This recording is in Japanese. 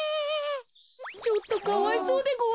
ちょっとかわいそうでごわすね。